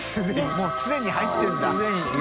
もうすでに入ってるんだ